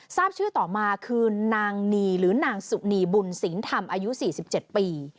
ทราบชื่อต่อมาคือนางนีหรือนางสุนีบุญสิงห์ธรรมอายุ๔๗ปี